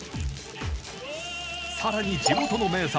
更に地元の名産